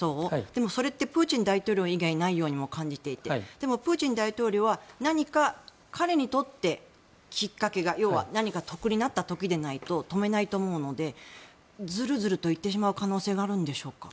でもそれってプーチン大統領以外ないようにも感じていてでも、プーチン大統領は何か彼にとってきっかけが要は何か得になった時でないと止めないと思うのでずるずると行ってしまう可能性があるんでしょうか。